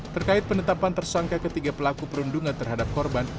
terkait penetapan tersangka ketiga pelaku perundungan terhadap korban